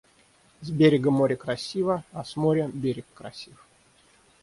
С берега море красиво, а с моря - берег красив.